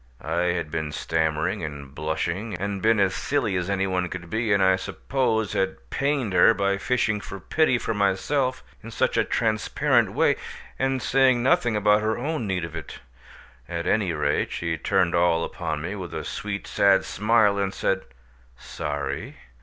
I had been stammering and blushing, and been as silly as any one could be, and I suppose had pained her by fishing for pity for myself in such a transparent way, and saying nothing about her own need of it; at any rate, she turned all upon me with a sweet sad smile and said, "Sorry?